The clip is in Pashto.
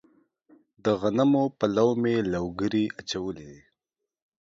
د غنمو په لو مې لوګري اچولي دي.